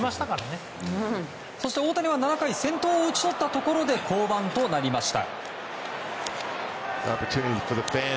大谷は７回先頭を打ち取ったところで降板となりました。